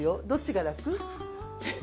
どっちが楽？